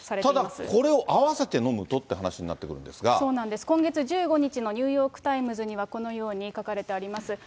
ただ、これを合わせて飲むとって話になってくるんですが、そうなんです、今月１５日のニューヨーク・タイムズには、このように書かれています。